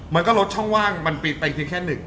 มันก็ลดช่องว่างมันปีกไปแค่๑